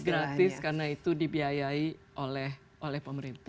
gratis karena itu dibiayai oleh pemerintah